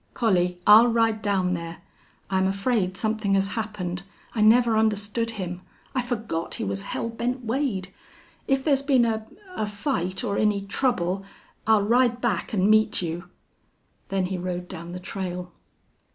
"Collie, I'll ride down there. I'm afraid something has happened.... I never understood him!... I forgot he was Hell Bent Wade! If there's been a a fight or any trouble I'll ride back and meet you." Then he rode down the trail.